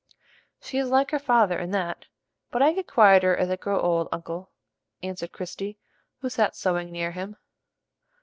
"She is like her father in that. But I get quieter as I grow old, uncle," answered Christie, who sat sewing near him.